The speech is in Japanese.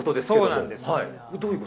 そうなんです。